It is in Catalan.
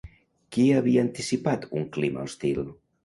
Qui havia anticipat un clima hostil?